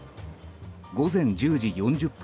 午前１０時４０分